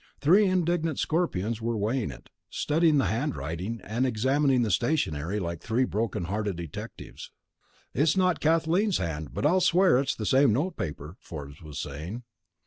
Three indignant Scorpions were weighing it, studying the handwriting, and examining the stationery like three broken hearted detectives. "It's not Kathleen's hand, but I'll swear it's the same notepaper," Forbes was saying.